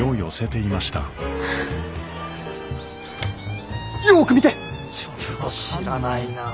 いやちょっと知らないなあ。